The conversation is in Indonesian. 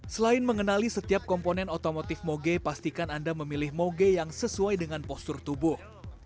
selain mengenali setiap komponen otomotif moge pastikan anda memilih moge yang sesuai dengan postur tubuh